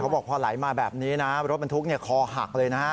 บอกพอไหลมาแบบนี้นะรถบรรทุกคอหักเลยนะฮะ